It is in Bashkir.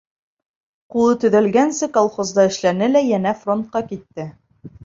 Ҡулы төҙәлгәнсе колхозда эшләне лә йәнә фронтҡа китте.